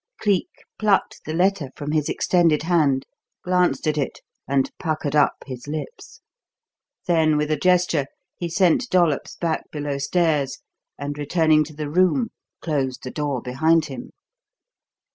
Cleek plucked the letter from his extended hand, glanced at it, and puckered up his lips; then, with a gesture, he sent Dollops back below stairs, and, returning to the room, closed the door behind him.